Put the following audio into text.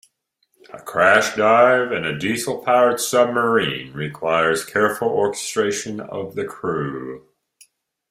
A crash dive in a diesel-powered submarine requires careful orchestration of the crew.